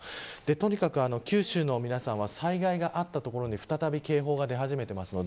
特に九州の皆さんは災害があった所で再び警報が出始めています。